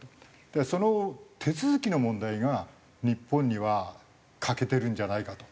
だからその手続きの問題が日本には欠けてるんじゃないかと。